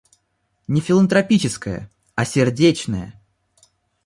Не филантропическое, а сердечное.